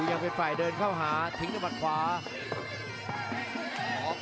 หลักนายครับไปตีเลยครับพอลาดอน